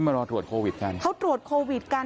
มันนี่มารอตรวจโควิดกัน